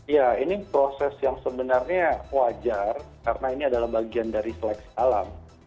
ya ini proses yang sebenarnya wajar karena ini adalah bagian dari seleksi alam